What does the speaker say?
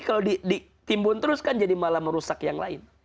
kalau ditimbun terus kan jadi malah merusak yang lain